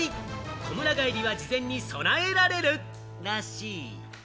こむら返りは事前に備えられるらしい。